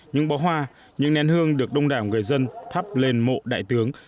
những bó hoa những nén hương được đông đảo người dân thắp lên mộ đại tướng